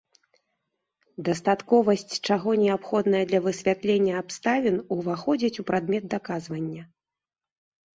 Дастатковасць чаго неабходная для высвятлення абставін уваходзяць у прадмет даказвання.